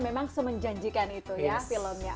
memang semenjanjikan itu ya filmnya